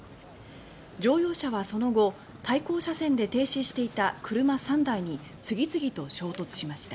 乗用車は、その後対向車線で停止していた車３台に次々と衝突しました。